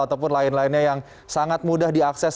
ataupun lain lainnya yang sangat mudah diakses